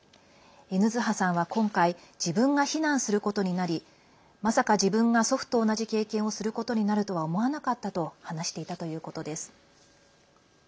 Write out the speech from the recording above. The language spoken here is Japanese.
ヌズハさんは、今回自分が避難することになりまさか自分が祖父と同じ経験をすることになるとは思わなかったと話していたということです。